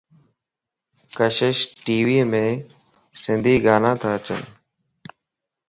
ڪشش ٽي ويم سنڌي گانا تا اچين